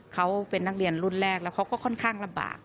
เขาเป็นนักเรียนรุ่นแรกแล้วเขาก็ค่อนข้างลำบาก